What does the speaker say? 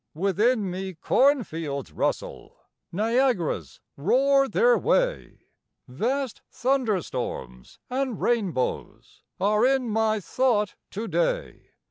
Within me cornfields rustle, Niagaras roar their way, Vast thunderstorms and rainbows Are in my thought to day.